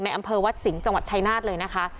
อำเภอวัดสิงห์จังหวัดชายนาฏเลยนะคะ